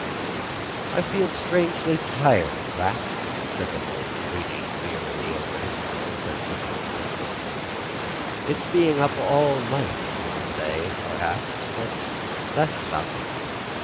"I feel strangely tired, Rat," said the Mole, leaning wearily over his oars as the boat drifted. "It's being up all night, you'll say, perhaps; but that's nothing.